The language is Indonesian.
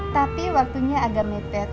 tapi waktunya agak mepet